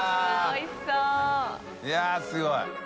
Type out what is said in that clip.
い筺すごい。